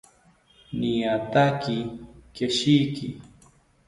Niataki keshiki